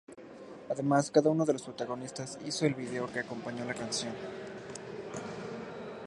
Además, cada uno de los protagonistas hizo un video que acompañó la canción.